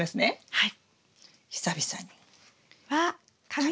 はい。